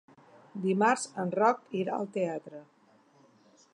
Dimarts en Roc irà al teatre.